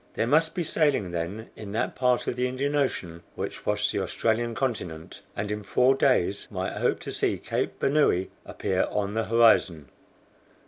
They must be sailing then in that part of the Indian Ocean which washed the Australian continent, and in four days might hope to see Cape Bernouilli appear on the horizon.